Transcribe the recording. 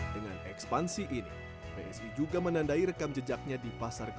dengan ekspansi ini psi juga menandai rekam jejaknya di pasar global